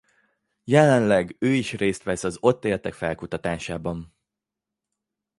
Jelenleg ő is részt vesz az ott éltek felkutatásában.